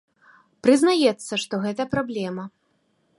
Прызнаецца, што гэта праблема.